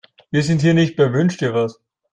Wir sind hier nicht bei Wünsch-dir-was.